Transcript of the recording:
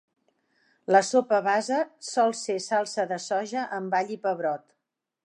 La sopa base sol ser salsa de soja amb all i pebrot.